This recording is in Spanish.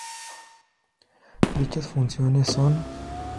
Dichas funciones sonː